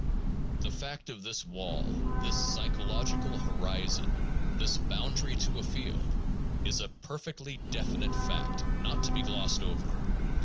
The fact of this wall, this psychological horizon, this boundary to a field, is a perfectly definite fact, not to be glossed over.